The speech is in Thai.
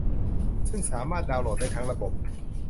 ซึ่งสามารถดาวน์โหลดได้ทั้งระบบ